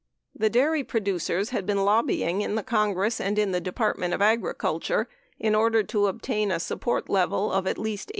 The dairy producers had been lobbying in the Congress and in the Department of Agricul ture in order to obtain a support level of at least 85% of parity.